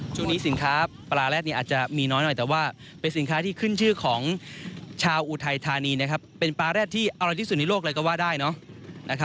ช่วงนี้สินค้าปลาแร็ดนี้อาจจะมีน้อยหน่อยแต่ว่าเป็นสินค้าที่ขึ้นชื่อของชาวอุทัยธานีนะครับเป็นปลาแรดที่อร่อยที่สุดในโลกเลยก็ว่าได้เนอะ